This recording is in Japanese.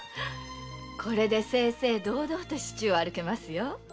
これで正々堂々と市中を歩けますよ。